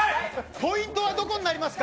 ポイントはどこになりますか。